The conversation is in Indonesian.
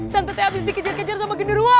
tante t abis dikejar kejar sama genderuwo